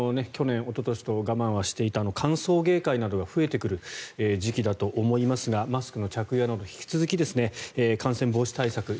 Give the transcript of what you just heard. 去年、おととしと我慢していた歓送迎会などが増えてくる時期だと思いますがマスクの着用など引き続き感染防止対策